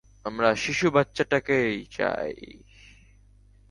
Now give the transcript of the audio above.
আমরা শিশু বাচ্চাটাকে চাই!